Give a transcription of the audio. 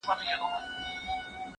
زه له سهاره ليک لولم!.